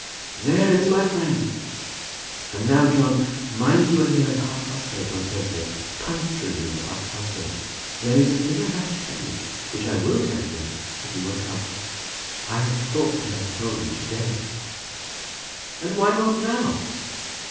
"There is my own friend! And now, John, mind you are here at half past eight on Thursday. Punctually at half past eight. There is a thing I have to tell you, which I will tell you then if you will come. I had thought to have told you to day." "And why not now?"